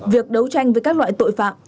việc đấu tranh với các loại tội phạm